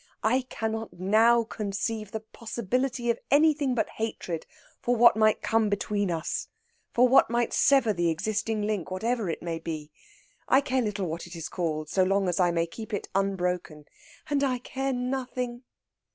I cannot now conceive the possibility of anything but hatred for what might come between us, for what might sever the existing link, whatever it may be I care little what it is called, so long as I may keep it unbroken...." "And I care nothing!"